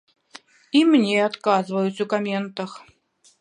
І мне адказваюць у каментах.